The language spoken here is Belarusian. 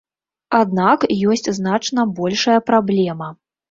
Аднак ёсць значна большая праблема.